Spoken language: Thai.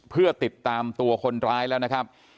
เพื่อติดตามตัวคนร้ายแล้วนะครับ